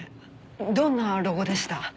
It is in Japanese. どんなロゴでした？